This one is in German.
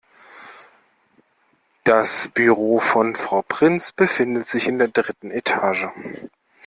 Das Büro von Frau Prinz befindet sich in der dritten Etage.